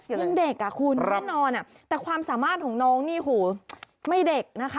ยังเด็กอ่ะคุณแน่นอนแต่ความสามารถของน้องนี่หูไม่เด็กนะคะ